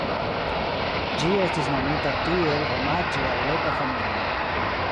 Ĝi estis nomita tiel omaĝe al loka familio.